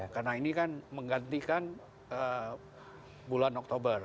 karena ini kan menggantikan bulan oktober